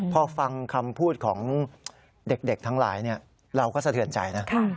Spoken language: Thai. พอฟังคำพูดของเด็กทั้งหลายเราก็สะเทือนใจนะ